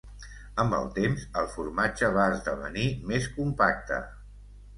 Amb el temps, el formatge va esdevenir més compacte.